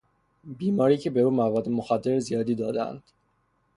بیماری که به او مواد مخدر زیادی دادهاند.